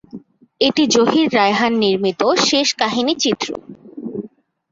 এটি জহির রায়হান নির্মিত শেষ কাহিনী চিত্র।